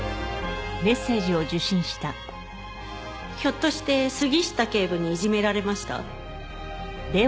「ひょっとして杉下警部にいじめられました？」